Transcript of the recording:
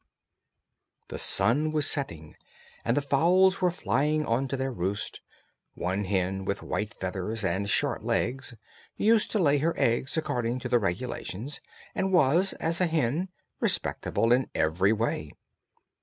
The sun was setting, and the fowls were flying on to their roost; one hen, with white feathers and short legs, used to lay her eggs according to the regulations, and was, as a hen, respectable in every way.